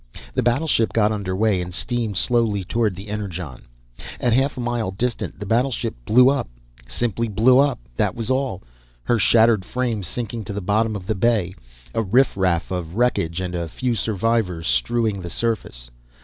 The battleship got under way and steamed slowly toward the Energon. At half a mile distant the battleship blew up simply blew up, that was all, her shattered frame sinking to the bottom of the bay, a riff raff of wreckage and a few survivors strewing the surface.